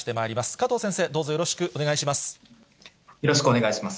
加藤先生、どうぞよろしくお願いします。